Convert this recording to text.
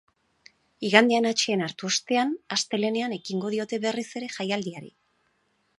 Igandean atseden hartu ostean, astelehenean ekingo diote berriz ere jaialdiari.